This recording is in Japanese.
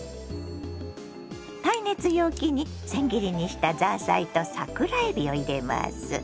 耐熱容器にせん切りにしたザーサイと桜えびを入れます。